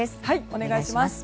お願いします。